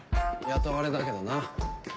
雇われだけどな。